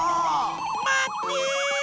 まって！